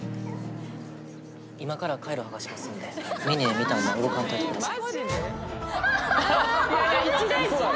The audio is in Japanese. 今からカイロ剥がしますんでメニュー見たまま動かんといてください。